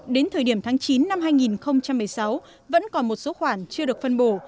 đến thời điểm tháng chín năm hai nghìn một mươi sáu vẫn còn một số khoản chưa được phân bổ